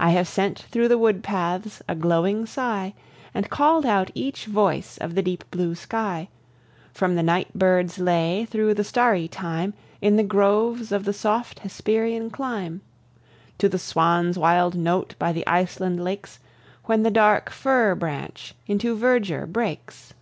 I have sent through the wood paths a glowing sigh, And called out each voice of the deep blue sky, From the night bird's lay through the starry time, In the groves of the soft Hesperian clime, To the swan's wild note by the Iceland lakes, When the dark fir branch into verdure breaks.